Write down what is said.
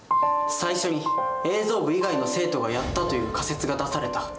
最初に映像部以外の生徒がやったという仮説が出された。